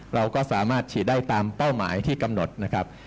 เราก็สามารถฉีดได้ตามเป้าหมายที่กำหนดนะครับ